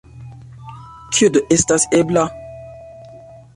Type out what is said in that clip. Kio do estas ebla?